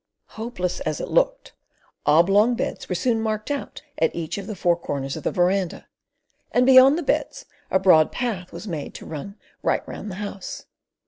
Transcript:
Hopeless as it looked, oblong beds were soon marked out at each of the four corners of the verandah, and beyond the beds a broad path was made to run right round the House.